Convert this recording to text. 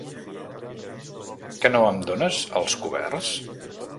Que no em dónes els coberts?